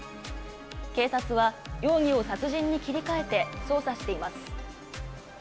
警察は容疑を殺人に切り替えて、捜査しています。